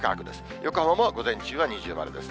横浜も午前中は二重丸ですね。